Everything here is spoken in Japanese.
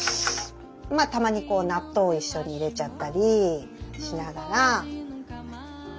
まあたまに納豆を一緒に入れちゃったりしながら。